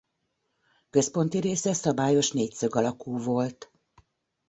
Központi része szabályos négyszög alakú volt.